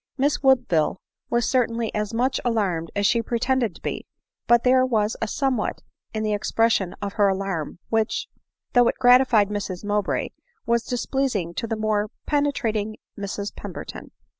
295 Miss Woodville was certainly as much alarmed as she pretended to be ; but there was a somewhat in the ex pression of her alarm which, though it gratified Mrs Mowbray, was displeasing to the more penetrating Mrs Pemberton.